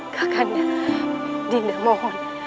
kak kanda dinda mohon